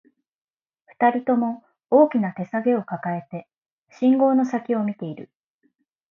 二人とも、大きな手提げを抱えて、信号の先を見ている